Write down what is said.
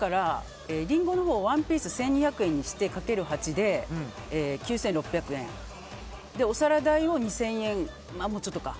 リンゴのほう１ピース１２００円にしてかける８で９６００円で、お皿代を２０００円ともうちょっと。